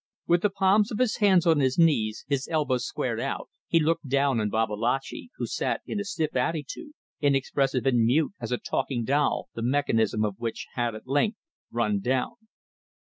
With the palms of his hands on his knees, his elbows squared out, he looked down on Babalatchi who sat in a stiff attitude, inexpressive and mute as a talking doll the mechanism of which had at length run down.